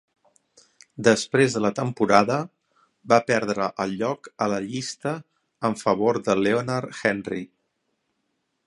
Després de la temporada, va perdre el lloc a la llista en favor de Leonard Henry.